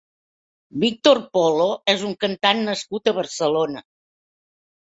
Víctor Polo és un cantant nascut a Barcelona.